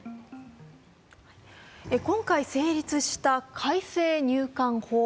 今回成立した改正入管法。